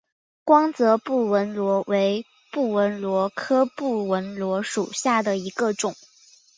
光泽布纹螺为布纹螺科布纹螺属下的一个种。